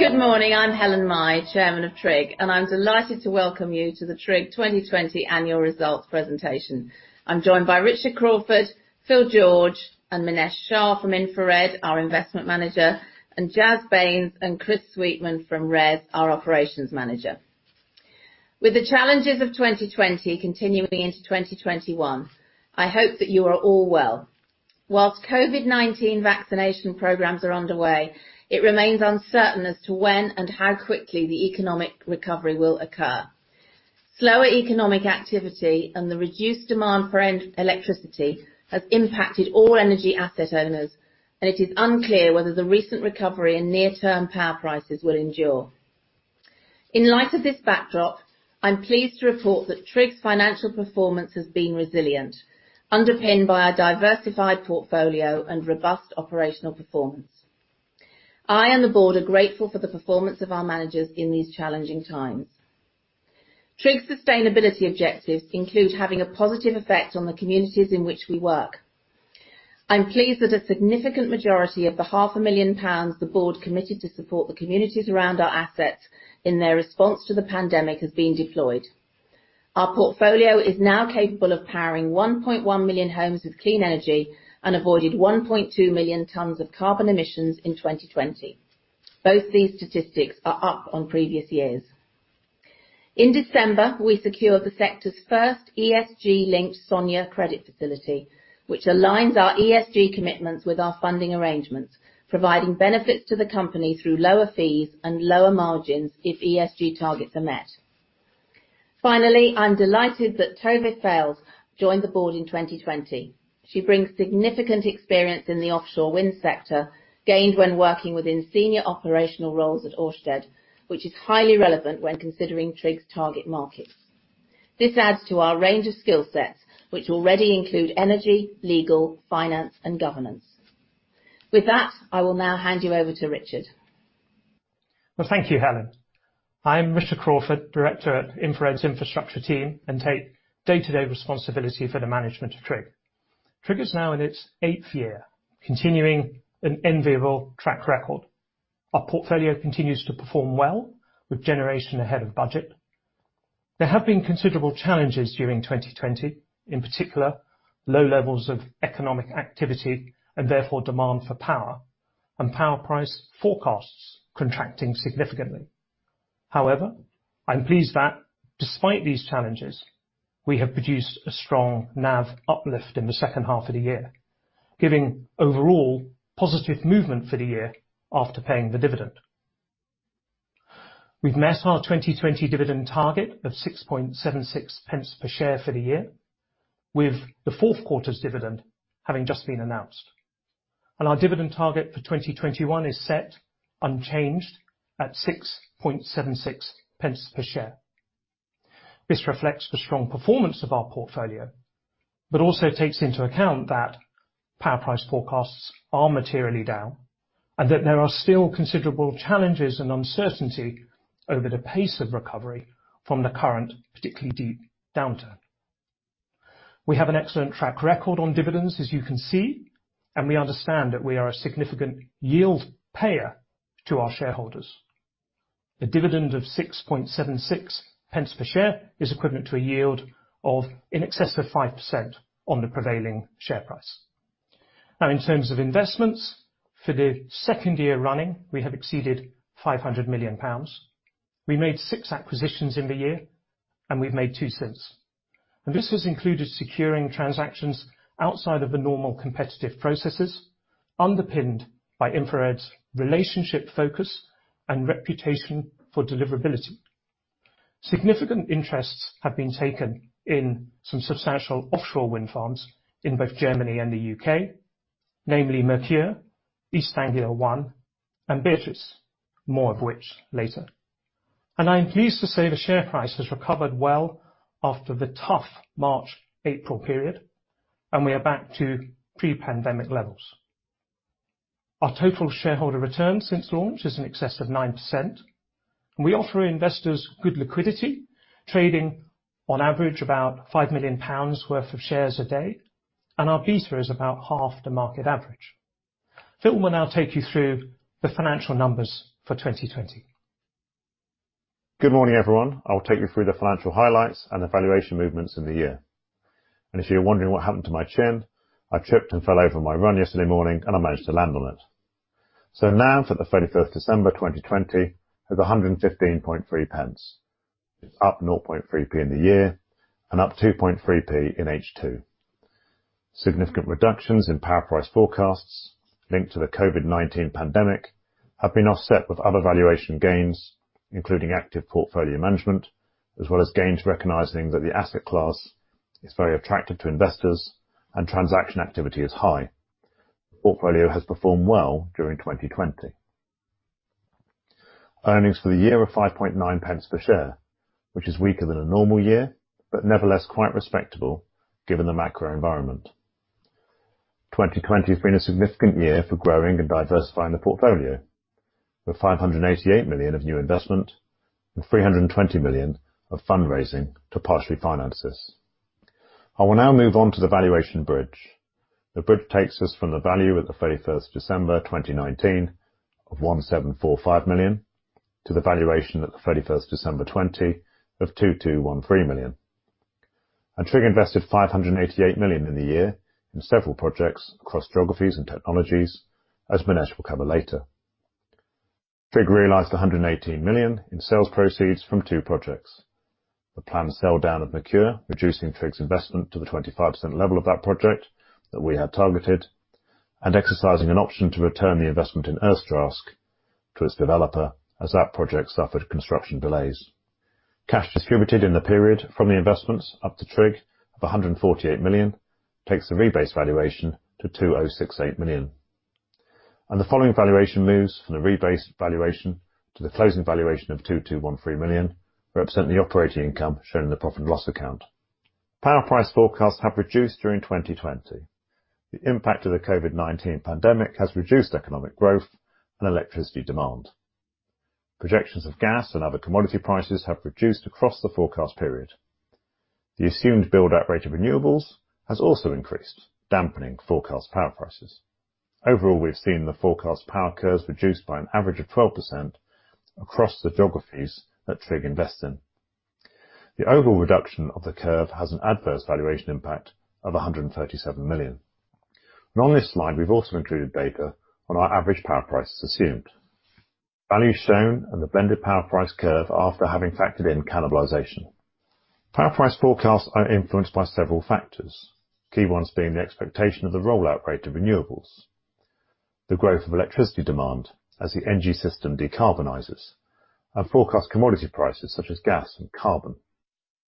Good morning. I'm Helen Mahy, Chairman of TRIG, and I'm delighted to welcome you to the TRIG 2020 annual results presentation. I'm joined by Richard Crawford, Phil George, and Minesh Shah from InfraRed, our investment manager, and Jaz Bains and Chris Sweetman from RES, our operations manager. With the challenges of 2020 continuing into 2021, I hope that you are all well. While COVID-19 vaccination programs are underway, it remains uncertain as to when and how quickly the economic recovery will occur. Slower economic activity and the reduced demand for electricity has impacted all energy asset owners, and it is unclear whether the recent recovery and near-term power prices will endure. In light of this backdrop, I'm pleased to report that TRIG's financial performance has been resilient, underpinned by our diversified portfolio and robust operational performance. I and the board are grateful for the performance of our managers in these challenging times. TRIG's sustainability objectives include having a positive effect on the communities in which we work. I'm pleased that a significant majority of the half a million pounds the board committed to support the communities around our assets in their response to the pandemic is being deployed. Our portfolio is now capable of powering 1.1 million homes with clean energy and avoided 1.2 million tons of carbon emissions in 2020. Both these statistics are up on previous years. In December, we secured the sector's first ESG-linked SONIA credit facility, which aligns our ESG commitments with our funding arrangements, providing benefits to the company through lower fees and lower margins if ESG targets are met. Finally, I'm delighted that Tove Feld joined the board in 2020. She brings significant experience in the offshore wind sector gained when working within senior operational roles at Ørsted, which is highly relevant when considering Trig's target markets. This adds to our range of skill sets, which already include energy, legal, finance, and governance. With that, I will now hand you over to Richard. Well, thank you, Helen. I'm Richard Crawford, director at InfraRed's Infrastructure team and take day-to-day responsibility for the management of TRIG. TRIG is now in its 8th year, continuing an enviable track record. Our portfolio continues to perform well with generation ahead of budget. There have been considerable challenges during 2020, in particular, low levels of economic activity, and therefore demand for power, and power price forecasts contracting significantly. However, I'm pleased that despite these challenges, we have produced a strong NAV uplift in the second half of the year, giving overall positive movement for the year after paying the dividend. We've met our 2020 dividend target of 6.76 pence per share for the year with the fourth quarter's dividend having just been announced. Our dividend target for 2021 is set unchanged at 6.76 pence per share. This reflects the strong performance of our portfolio, but also takes into account that power price forecasts are materially down and that there are still considerable challenges and uncertainty over the pace of recovery from the current, particularly deep downturn. We have an excellent track record on dividends, as you can see, and we understand that we are a significant yield payer to our shareholders. The dividend of 6.76 pence per share is equivalent to a yield of in excess of 5% on the prevailing share price. Now, in terms of investments, for the second year running, we have exceeded 500 million pounds. We made 6 acquisitions in the year, and we've made 2 since. This has included securing transactions outside of the normal competitive processes, underpinned by InfraRed's relationship focus and reputation for deliverability. Significant interests have been taken in some substantial offshore wind farms in both Germany and the U.K., namely Merkur, East Anglia One, and Beatrice, more of which later. I'm pleased to say the share price has recovered well after the tough March, April period, and we are back to pre-pandemic levels. Our total shareholder return since launch is in excess of 9%. We offer investors good liquidity, trading on average about 5 million pounds worth of shares a day, and our beta is about half the market average. Phil will now take you through the financial numbers for 2020. Good morning, everyone. I'll take you through the financial highlights and valuation movements in the year. If you're wondering what happened to my chin, I tripped and fell during my run yesterday morning, and I managed to land on it. NAV for the 31 December 2020 is 115.3 pence. It's up 0.3p in the year and up 2.3p in H2. Significant reductions in power price forecasts linked to the COVID-19 pandemic have been offset with other valuation gains, including active portfolio management, as well as gains recognizing that the asset class is very attractive to investors and transaction activity is high. The portfolio has performed well during 2020. Earnings for the year are 5.9 pence per share, which is weaker than a normal year, but nevertheless quite respectable given the macro environment. 2020 has been a significant year for growing and diversifying the portfolio. With 588 million of new investment and 320 million of fundraising to partially finance this. I will now move on to the valuation bridge. The bridge takes us from the value at the 31 December 2019 of 1,745 million to the valuation at the 31 December 2020 of 2,213 million. TRIG invested 588 million in the year in several projects across geographies and technologies, as Minesh will cover later. TRIG realized 118 million in sales proceeds from two projects. The planned sell-down of Merkur, reducing TRIG's investment to the 25% level of that project that we had targeted, and exercising an option to return the investment in Ørsted to its developer as that project suffered construction delays. Cash distributed in the period from the investments up to TRIG of 148 million takes the rebased valuation to 2,068 million. The following valuation moves from the rebased valuation to the closing valuation of 2,213 million represent the operating income shown in the profit and loss account. Power price forecasts have reduced during 2020. The impact of the COVID-19 pandemic has reduced economic growth and electricity demand. Projections of gas and other commodity prices have reduced across the forecast period. The assumed build-out rate of renewables has also increased, dampening forecast power prices. Overall, we've seen the forecast power curves reduced by an average of 12% across the geographies that TRIG invest in. The overall reduction of the curve has an adverse valuation impact of 137 million. On this slide, we've also included data on our average power prices assumed. Values shown, and the blended power price curve after having factored in cannibalization. Power price forecasts are influenced by several factors. Key ones being the expectation of the rollout rate of renewables, the growth of electricity demand as the energy system decarbonizes, and forecast commodity prices such as gas and carbon.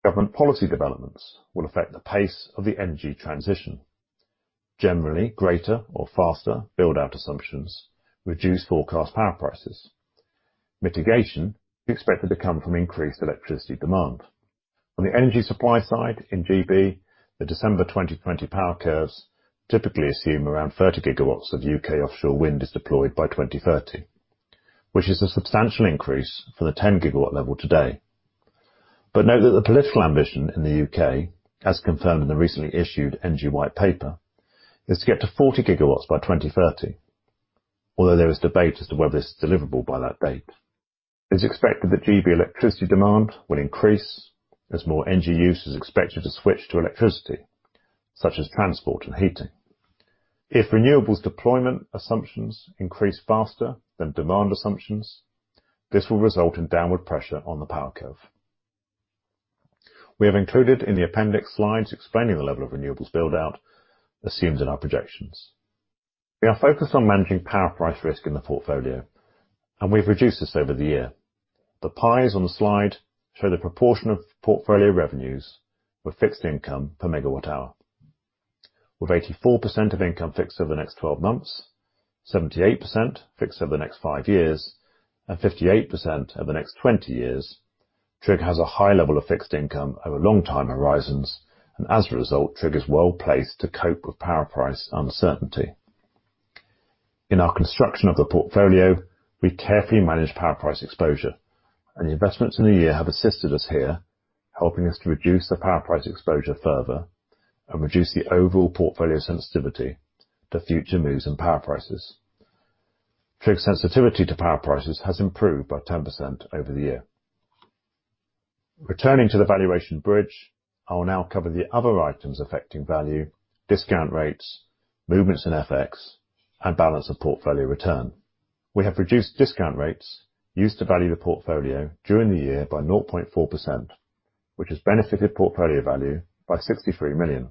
Government policy developments will affect the pace of the energy transition. Generally, greater or faster build-out assumptions reduce forecast power prices. Mitigation is expected to come from increased electricity demand. On the energy supply side in G.B., the December 2020 power curves typically assume around 30 GW of U.K. offshore wind is deployed by 2030, which is a substantial increase for the 10-GW level today. Note that the political ambition in the UK, as confirmed in the recently issued Energy White Paper, is to get to 40 GW by 2030. Although there is debate as to whether this is deliverable by that date. It's expected that GB electricity demand will increase as more energy use is expected to switch to electricity, such as transport and heating. If renewables deployment assumptions increase faster than demand assumptions, this will result in downward pressure on the power curve. We have included in the appendix slides explaining the level of renewables build-out assumed in our projections. We are focused on managing power price risk in the portfolio, and we've reduced this over the year. The pies on the slide show the proportion of portfolio revenues with fixed income per MWh. With 84% of income fixed over the next 12 months, 78% fixed over the next 5 years, and 58% over the next 20 years, TRIG has a high level of fixed income over long time horizons, and as a result, TRIG is well placed to cope with power price uncertainty. In our construction of the portfolio, we carefully manage power price exposure, and the investments in the year have assisted us here, helping us to reduce the power price exposure further and reduce the overall portfolio sensitivity to future moves in power prices. TRIG sensitivity to power prices has improved by 10% over the year. Returning to the valuation bridge, I will now cover the other items affecting value, discount rates, movements in FX, and balance of portfolio return. We have reduced discount rates used to value the portfolio during the year by 0.4%, which has benefited portfolio value by 63 million.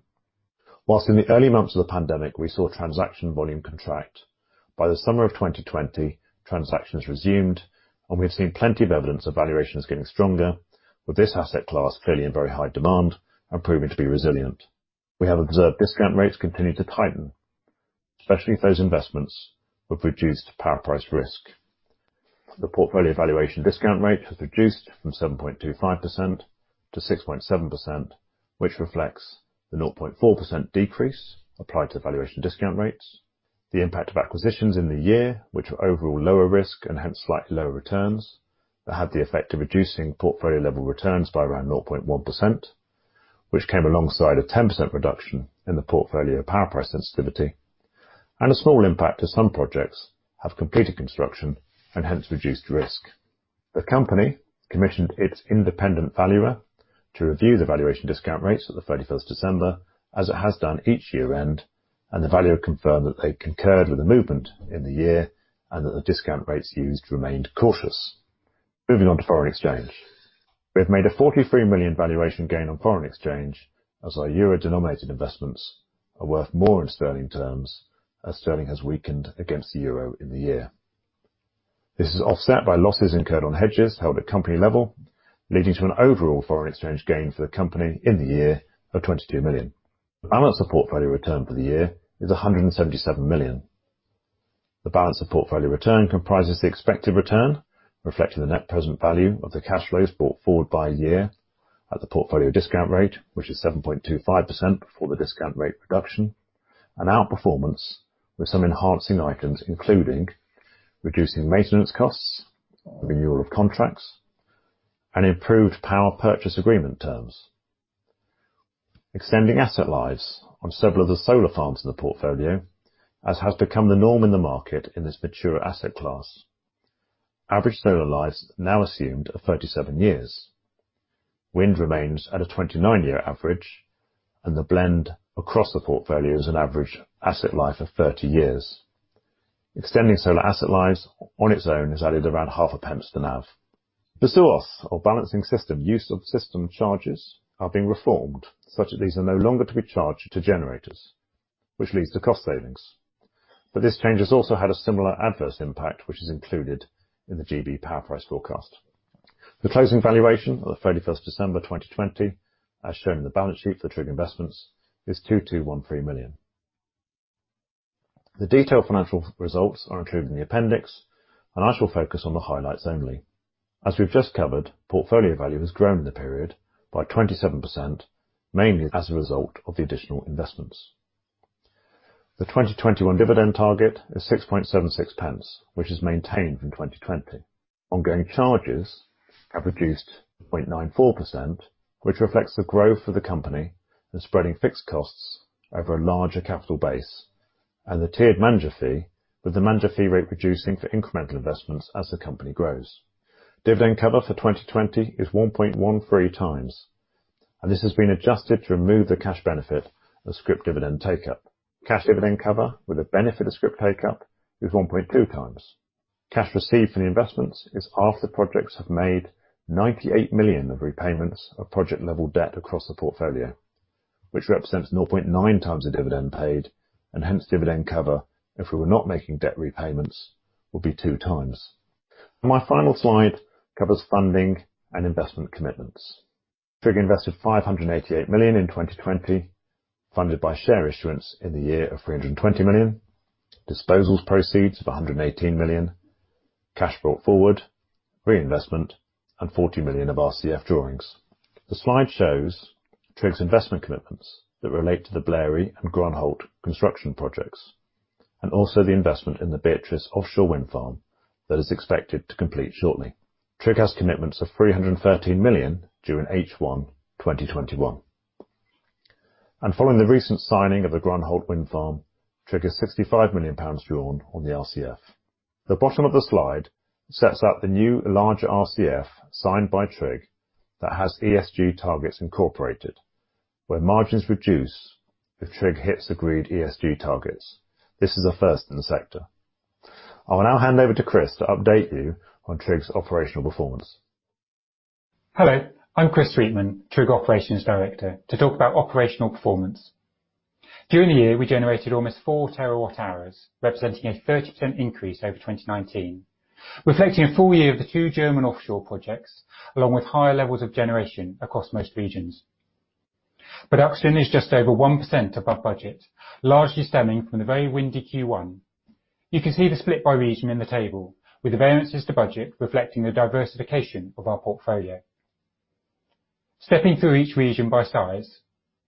While in the early months of the pandemic, we saw transaction volume contract, by the summer of 2020, transactions resumed and we've seen plenty of evidence of valuations getting stronger with this asset class clearly in very high demand and proving to be resilient. We have observed discount rates continue to tighten, especially if those investments have reduced power price risk. The portfolio valuation discount rate has reduced from 7.25% to 6.7%, which reflects the 0.4% decrease applied to valuation discount rates, the impact of acquisitions in the year, which were overall lower risk and hence slightly lower returns, that had the effect of reducing portfolio level returns by around 0.1%, which came alongside a 10% reduction in the portfolio power price sensitivity and a small impact as some projects have completed construction and hence reduced risk. The company commissioned its independent valuer to review the valuation discount rates at 31 December, as it has done each year-end, and the valuer confirmed that they concurred with the movement in the year and that the discount rates used remained cautious. Moving on to foreign exchange. We have made a 43 million valuation gain on foreign exchange, as our euro-denominated investments are worth more in sterling terms, as sterling has weakened against the euro in the year. This is offset by losses incurred on hedges held at company level, leading to an overall foreign exchange gain for the company in the year of 22 million. Balance of portfolio return for the year is 177 million. The balance of portfolio return comprises the expected return, reflecting the net present value of the cash flows brought forward by a year. At the portfolio discount rate, which is 7.25 before the discount rate reduction and outperformance with some enhancing items, including reducing maintenance costs, renewal of contracts, and improved power purchase agreement terms. Extending asset lives on several of the solar farms in the portfolio, as has become the norm in the market in this mature asset class. Average solar lives now assumed of 37 years. Wind remains at a 29-year average, and the blend across the portfolio is an average asset life of 30 years. Extending solar asset lives on its own has added around half a pence to NAV. BSUoS are being reformed, such that these are no longer to be charged to generators, which leads to cost savings. This change has also had a similar adverse impact, which is included in the GB power price forecast. The closing valuation of 31 December 2020, as shown in the balance sheet for TRIG, is 2,213 million. The detailed financial results are included in the appendix, and I shall focus on the highlights only. As we've just covered, portfolio value has grown in the period by 27%, mainly as a result of the additional investments. The 2021 dividend target is 0.0676, which is maintained from 2020. Ongoing charges have reduced 0.94%, which reflects the growth of the company and spreading fixed costs over a larger capital base and the tiered manager fee, with the manager fee rate reducing for incremental investments as the company grows. Dividend cover for 2020 is 1.13 times, and this has been adjusted to remove the cash benefit of scrip dividend take-up. Cash dividend cover with the benefit of scrip take-up is 1.2 times. Cash received from the investments is after projects have made 98 million of repayments of project level debt across the portfolio, which represents 0.9 times the dividend paid and hence dividend cover, if we were not making debt repayments, will be 2 times. My final slide covers funding and investment commitments. TRIG invested 588 million in 2020, funded by share issuance in the year of 320 million, disposal proceeds of 118 million, cash brought forward, reinvestment, and 40 million of RCF drawings. The slide shows TRIG's investment commitments that relate to the Blary and Grönhult construction projects, and also the investment in the Beatrice offshore wind farm that is expected to complete shortly. TRIG has commitments of 313 million during H1 2021. Following the recent signing of the Grönhult wind farm, TRIG has 65 million pounds drawn on the RCF. The bottom of the slide sets out the new larger RCF signed by TRIG that has ESG targets incorporated, where margins reduce if TRIG hits agreed ESG targets. This is a first in the sector. I will now hand over to Chris to update you on TRIG's operational performance. Hello, I'm Chris Sweetman, TRIG Operations Director, to talk about operational performance. During the year, we generated almost 4 terawatt-hours, representing a 30% increase over 2019, reflecting a full year of the two German offshore projects, along with higher levels of generation across most regions. Production is just over 1% above budget, largely stemming from the very windy Q1. You can see the split by region in the table, with the variances to budget reflecting the diversification of our portfolio. Stepping through each region by size.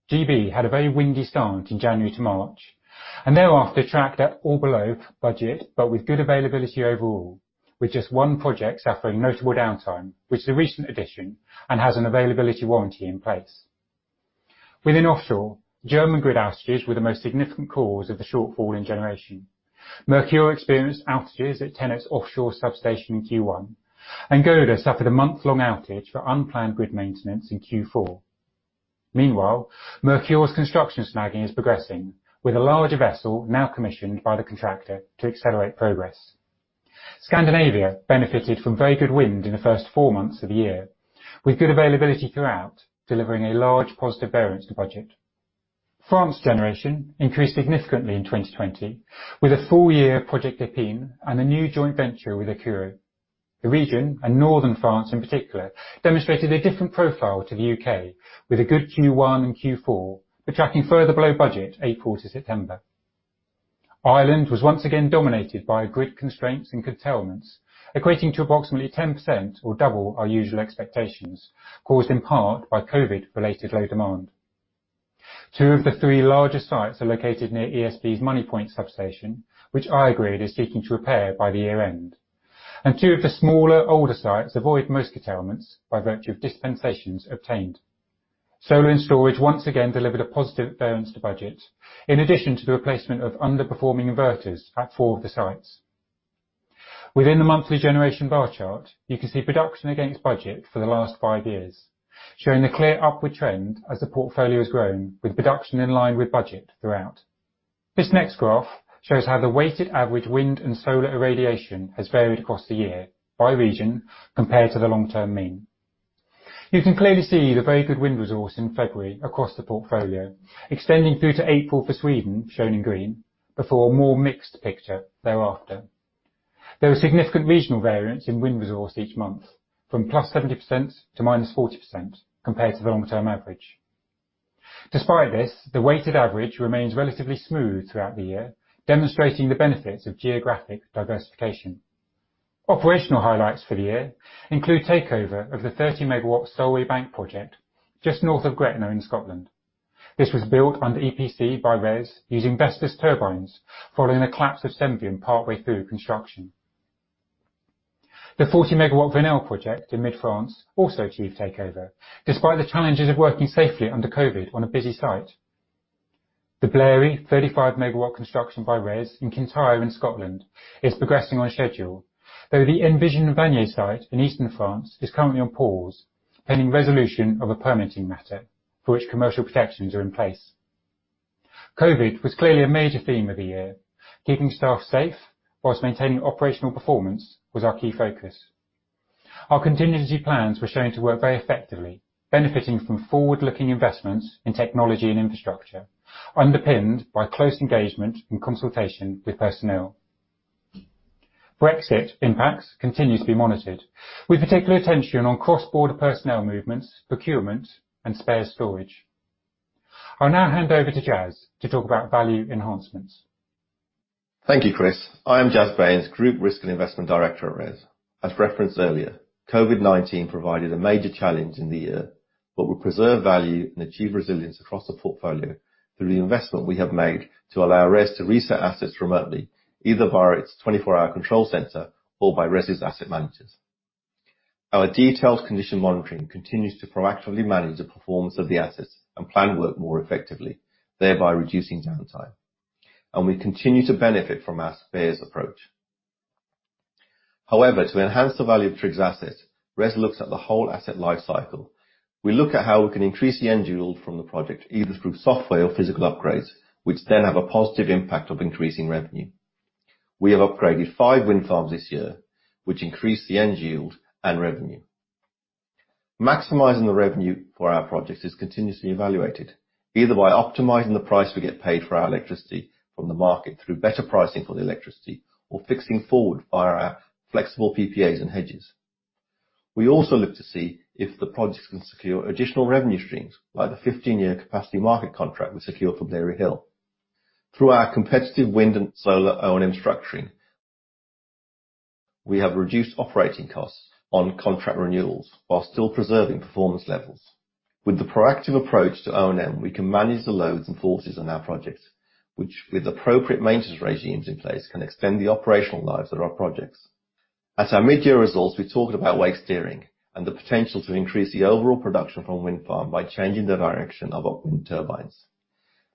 GB had a very windy start in January to March and thereafter tracked at or below budget, but with good availability overall, with just one project suffering notable downtime, which is a recent addition and has an availability warranty in place. Within offshore, German grid outages were the most significant cause of the shortfall in generation. Merkur experienced outages at TenneT's offshore substation in Q1, and Gode suffered a month-long outage for unplanned grid maintenance in Q4. Meanwhile, Merkur's construction snagging is progressing, with a larger vessel now commissioned by the contractor to accelerate progress. Scandinavia benefited from very good wind in the first four months of the year, with good availability throughout, delivering a large positive variance to budget. France generation increased significantly in 2020, with a full year of Projet Épine and a new joint venture with Akuo. The region, and northern France in particular, demonstrated a different profile to the UK, with a good Q1 and Q4, but tracking further below budget April to September. Ireland was once again dominated by grid constraints and curtailments, equating to approximately 10% or double our usual expectations, caused in part by COVID-related low demand. 2 of the 3 larger sites are located near ESB's Moneypoint substation, which EirGrid is seeking to repair by the year-end. Two of the smaller, older sites avoid most curtailments by virtue of dispensations obtained. Solar and storage once again delivered a positive variance to budget, in addition to the replacement of underperforming inverters at 4 of the sites. Within the monthly generation bar chart, you can see production against budget for the last 5 years, showing a clear upward trend as the portfolio has grown, with production in line with budget throughout. This next graph shows how the weighted average wind and solar irradiation has varied across the year by region compared to the long-term mean. You can clearly see the very good wind resource in February across the portfolio, extending through to April for Sweden, shown in green, before a more mixed picture thereafter. There were significant regional variance in wind resource each month, from +70% to -40% compared to the long-term average. Despite this, the weighted average remains relatively smooth throughout the year, demonstrating the benefits of geographic diversification. Operational highlights for the year include takeover of the 30 MW Solwaybank project just north of Gretna in Scotland. This was built under EPC by RES using Vestas turbines following the collapse of Senvion partway through construction. The 40 MW Entre Tille et Venelle project in mid-France also achieved takeover, despite the challenges of working safely under COVID on a busy site. The Blary Hill 35 MW construction by RES in Kintyre in Scotland is progressing on schedule. Though the Envision Vannier-Amance site in eastern France is currently on pause, pending resolution of a permitting matter for which commercial protections are in place. COVID was clearly a major theme of the year. Keeping staff safe while maintaining operational performance was our key focus. Our contingency plans were shown to work very effectively, benefiting from forward-looking investments in technology and infrastructure, underpinned by close engagement and consultation with personnel. Brexit impacts continue to be monitored with particular attention on cross-border personnel movements, procurement, and spare storage. I'll now hand over to Jaz to talk about value enhancements. Thank you, Chris. I am Jaz Bains, Group Risk and Investment Director at RES. As referenced earlier, Covid-19 provided a major challenge in the year. We preserved value and achieved resilience across the portfolio through the investment we have made to allow RES to reset assets remotely, either via its 24-hour control center or by RES' asset managers. Our detailed condition monitoring continues to proactively manage the performance of the assets and plan work more effectively, thereby reducing downtime, and we continue to benefit from our spares approach. However, to enhance the value of TRIG's assets, RES looks at the whole asset life cycle. We look at how we can increase the end yield from the project, either through software or physical upgrades, which then have a positive impact of increasing revenue. We have upgraded 5 wind farms this year, which increased the end yield and revenue. Maximizing the revenue for our projects is continuously evaluated, either by optimizing the price we get paid for our electricity from the market through better pricing for the electricity or fixing forward via our flexible PPAs and hedges. We also look to see if the projects can secure additional revenue streams, like the 15-year capacity market contract we secured for Blary Hill. Through our competitive wind and solar O&M structuring, we have reduced operating costs on contract renewals while still preserving performance levels. With the proactive approach to O&M, we can manage the loads and forces on our projects, which with appropriate maintenance regimes in place, can extend the operational lives of our projects. At our mid-year results, we talked about wake steering and the potential to increase the overall production from wind farm by changing the direction of upwind turbines.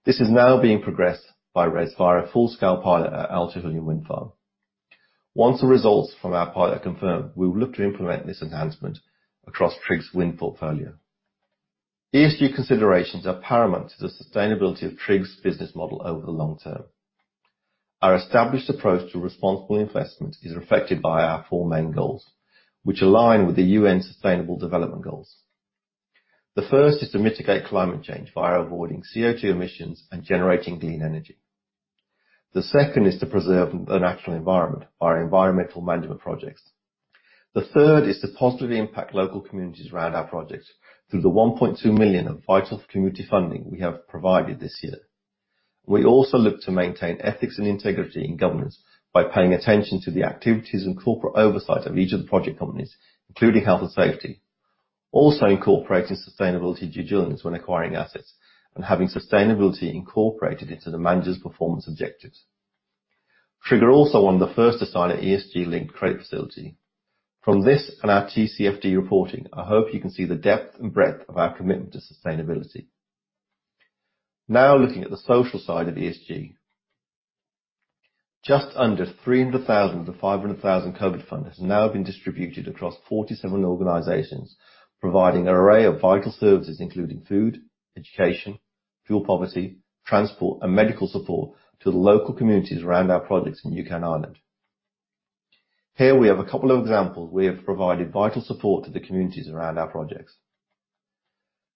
This is now being progressed by RES via a full-scale pilot at Altahullion Wind Farm. Once the results from our pilot are confirmed, we will look to implement this enhancement across TRIG's wind portfolio. ESG considerations are paramount to the sustainability of TRIG's business model over the long term. Our established approach to responsible investment is reflected by our four main goals, which align with the UN's Sustainable Development Goals. The first is to mitigate climate change via avoiding CO2 emissions and generating clean energy. The second is to preserve the natural environment via environmental management projects. The third is to positively impact local communities around our projects through the 1.2 million of vital community funding we have provided this year. We also look to maintain ethics and integrity in governance by paying attention to the activities and corporate oversight of each of the project companies, including health and safety. Also incorporating sustainability due diligence when acquiring assets and having sustainability incorporated into the manager's performance objectives. TRIG are also one of the first to sign an ESG-linked credit facility. From this and our TCFD reporting, I hope you can see the depth and breadth of our commitment to sustainability. Now looking at the social side of ESG. Just under 300,000 of the 500,000 COVID fund has now been distributed across 47 organizations, providing an array of vital services including food, education, fuel poverty, transport, and medical support to the local communities around our projects in U.K. and Ireland. Here we have a couple of examples we have provided vital support to the communities around our projects.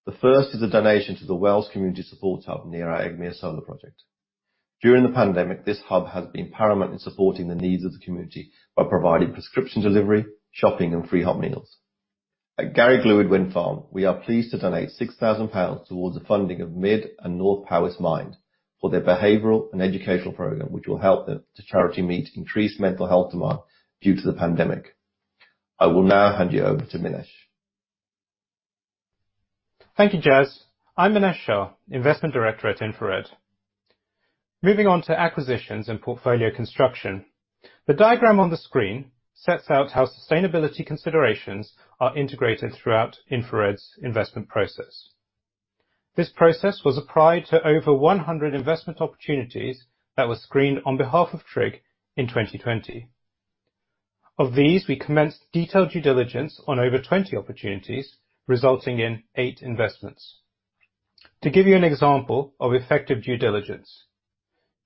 The first is a donation to the Wells Community Support Hub near our Egmere Solar project. During the pandemic, this hub has been paramount in supporting the needs of the community by providing prescription delivery, shopping, and free hot meals. At Garreg Lwyd Wind Farm, we are pleased to donate 6,000 pounds towards the funding of Mid and North Powys Mind for their behavioral and educational program, which will help the charity meet increased mental health demand due to the pandemic. I will now hand you over to Minesh. Thank you, Jaz. I'm Minesh Shah, Investment Director at InfraRed. Moving on to acquisitions and portfolio construction. The diagram on the screen sets out how sustainability considerations are integrated throughout InfraRed's investment process. This process was applied to over 100 investment opportunities that were screened on behalf of TRIG in 2020. Of these, we commenced detailed due diligence on over 20 opportunities, resulting in 8 investments. To give you an example of effective due diligence,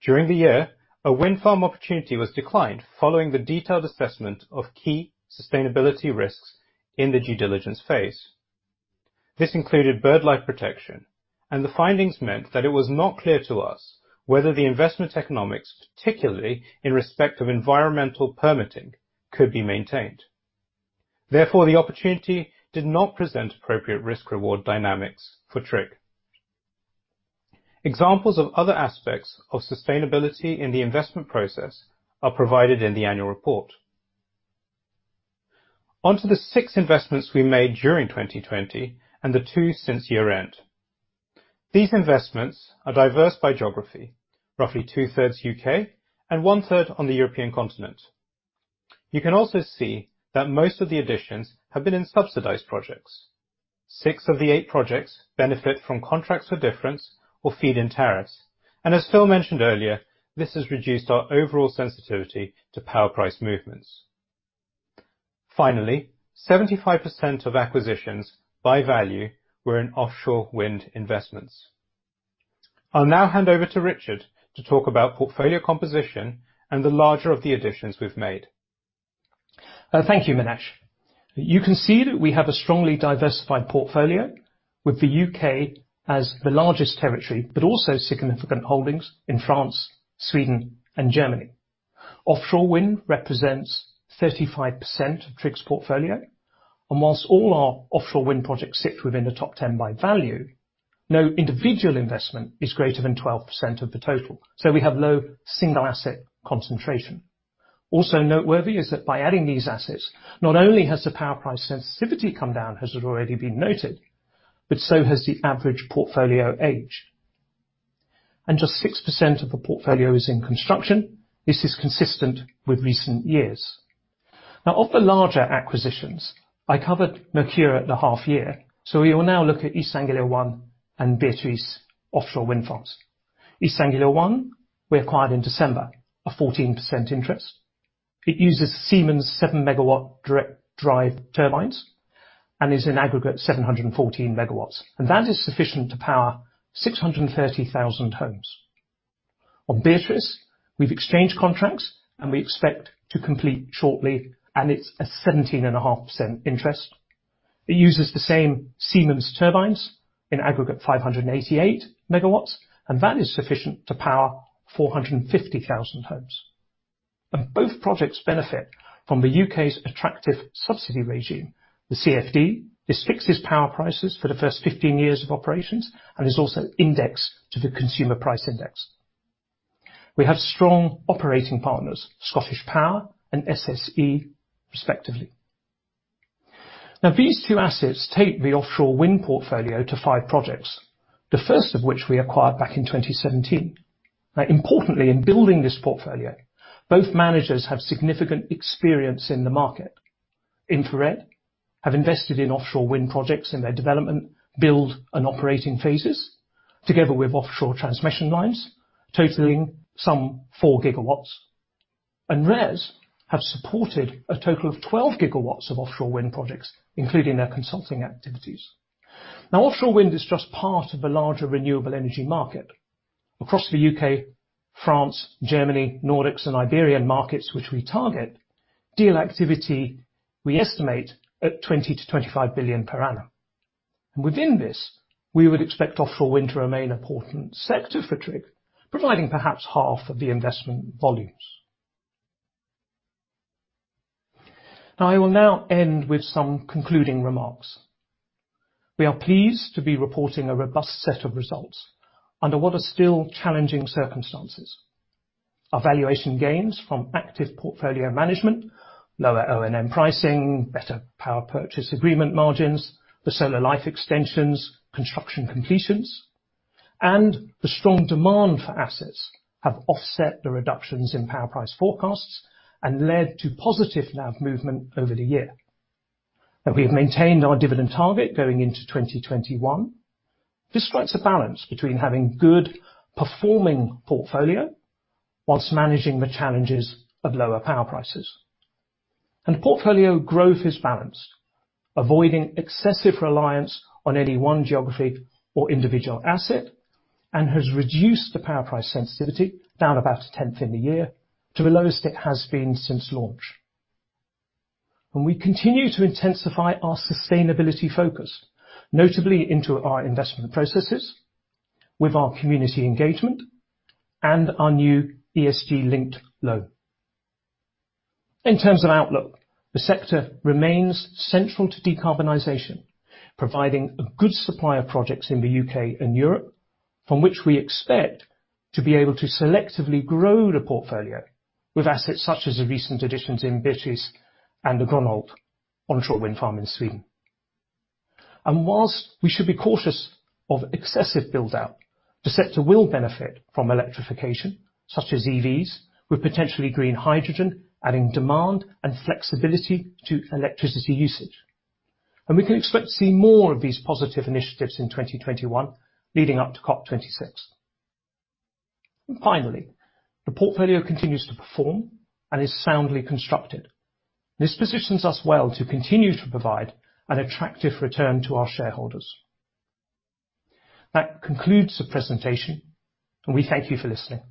during the year, a wind farm opportunity was declined following the detailed assessment of key sustainability risks in the due diligence phase. This included bird life protection, and the findings meant that it was not clear to us whether the investment economics, particularly in respect of environmental permitting, could be maintained. Therefore, the opportunity did not present appropriate risk reward dynamics for TRIG. Examples of other aspects of sustainability in the investment process are provided in the annual report. On to the 6 investments we made during 2020 and the 2 since year-end. These investments are diverse by geography. Roughly two-thirds UK and one-third on the European continent. You can also see that most of the additions have been in subsidized projects. 6 of the 8 projects benefit from contracts for difference or feed-in tariffs. As Phil mentioned earlier, this has reduced our overall sensitivity to power price movements. Finally, 75% of acquisitions by value were in offshore wind investments. I'll now hand over to Richard to talk about portfolio composition and the larger of the additions we've made. Thank you, Minesh. You can see that we have a strongly diversified portfolio with the U.K. as the largest territory, but also significant holdings in France, Sweden, and Germany. Offshore wind represents 35% of TRIG's portfolio. While all our offshore wind projects sit within the top ten by value, no individual investment is greater than 12% of the total. We have low single asset concentration. Also noteworthy is that by adding these assets, not only has the power price sensitivity come down, as has already been noted, but so has the average portfolio age. Just 6% of the portfolio is in construction. This is consistent with recent years. Now, of the larger acquisitions, I covered Merkur at the half year, so we will now look at East Anglia One and Beatrice offshore wind farms. East Anglia One, we acquired in December, a 14% interest. It uses Siemens 7 MW direct drive turbines and is in aggregate 714 MW, and that is sufficient to power 630,000 homes. On Beatrice, we've exchanged contracts and we expect to complete shortly, and it's a 17.5% interest. It uses the same Siemens turbines in aggregate 588 MW, and that is sufficient to power 450,000 homes. Both projects benefit from the U.K.'s attractive subsidy regime. The CFD fixes power prices for the first 15 years of operations and is also indexed to the Consumer Price Index. We have strong operating partners, ScottishPower and SSE, respectively. Now, these two assets take the offshore wind portfolio to five projects, the first of which we acquired back in 2017. Now, importantly, in building this portfolio, both managers have significant experience in the market. InfraRed have invested in offshore wind projects in their development, build and operating phases, together with offshore transmission lines totaling some 4 gigawatts. RES have supported a total of 12 gigawatts of offshore wind projects, including their consulting activities. Now, offshore wind is just part of the larger renewable energy market. Across the U.K., France, Germany, Nordics, and Iberian markets which we target, deal activity, we estimate at 20-25 billion per annum. Within this, we would expect offshore wind to remain an important sector for TRIG, providing perhaps half of the investment volumes. Now, I will now end with some concluding remarks. We are pleased to be reporting a robust set of results under what are still challenging circumstances. Our valuation gains from active portfolio management, lower O&M pricing, better power purchase agreement margins, the solar life extensions, construction completions, and the strong demand for assets have offset the reductions in power price forecasts and led to positive NAV movement over the year. We have maintained our dividend target going into 2021. This strikes a balance between having good performing portfolio while managing the challenges of lower power prices. Portfolio growth is balanced, avoiding excessive reliance on any one geography or individual asset, and has reduced the power price sensitivity down about a tenth in the year to the lowest it has been since launch. We continue to intensify our sustainability focus, notably into our investment processes, with our community engagement and our new ESG-linked loan. In terms of outlook, the sector remains central to decarbonization, providing a good supply of projects in the U.K. and Europe, from which we expect to be able to selectively grow the portfolio with assets such as the recent additions in Beatrice and the Grönhult onshore wind farm in Sweden. While we should be cautious of excessive build-out, the sector will benefit from electrification such as EVs, with potentially green hydrogen adding demand and flexibility to electricity usage. We can expect to see more of these positive initiatives in 2021 leading up to COP26. Finally, the portfolio continues to perform and is soundly constructed. This positions us well to continue to provide an attractive return to our shareholders. That concludes the presentation, and we thank you for listening.